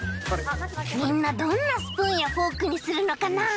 みんなどんなスプーンやフォークにするのかな？